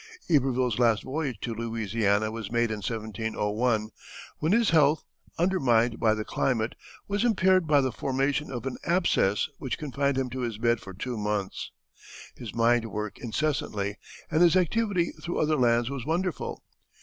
Iberville's last voyage to Louisiana was made in 1701, when his health, undermined by the climate, was impaired by the formation of an abscess which confined him to his bed for two months. His mind worked incessantly, and his activity through other hands was wonderful.